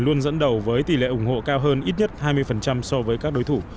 luôn dẫn đầu với tỷ lệ ủng hộ cao hơn ít nhất hai mươi so với các đối thủ